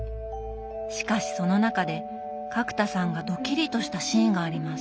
しかしその中で角田さんがドキリとしたシーンがあります。